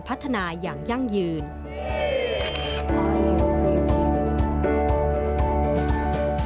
สำเร็จในการเป็นชุมชน